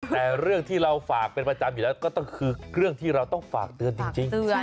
แต่เรื่องที่เราฝากเป็นประจำอยู่แล้วก็คือเรื่องที่เราต้องฝากเตือนจริง